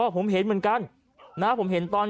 ผมเห็นเหมือนกันนะผมเห็นตอน